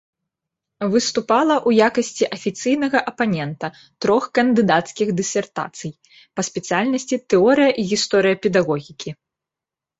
Выступала ў якасці афіцыйнага апанента трох кандыдацкіх дысертацый па спецыяльнасці тэорыя і гісторыя педагогікі.